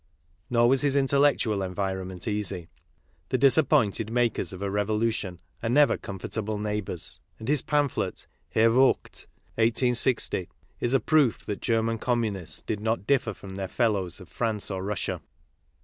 Nor was his intellectual environment easy. The disappointed maker^ of a revolution are never com fortable neighbours;, and his pamphlet, Herr Vogt i8 KARL MARX (i860) is proof that German Communists did not differ from their fellows of France or Russia.